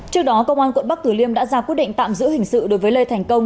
trước đó công an quận bắc tử liêm đã ra quyết định tạm giữ hình sự đối với lê thành công